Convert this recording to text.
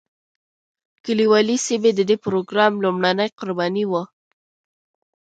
کلیوالي سیمې د دې پروګرام لومړنۍ قربانۍ وې.